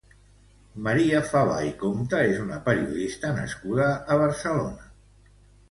Maria Favà i Compta és una periodista nascuda a Barcelona.